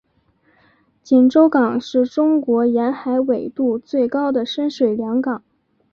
锦州港是中国沿海纬度最高的深水良港。